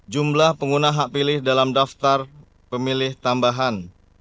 jumlah pengguna hak pilih dalam daftar pemilih tambahan